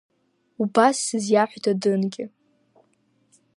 Убас сызиаҳә Дадынгьы.